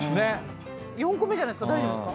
４個目じゃないですか？